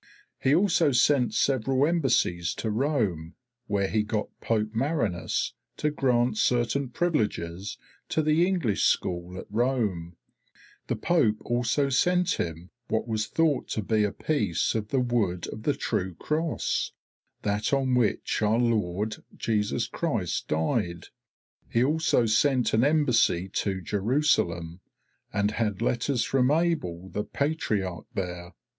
He also sent several embassies to Rome, where he got Pope Marinus to grant certain privileges to the English School at Rome; the Pope also sent him what was thought to be a piece of the wood of the True Cross, that on which our Lord Jesus Christ died. He also sent an embassy to Jerusalem, and had letters from Abel the Patriarch there.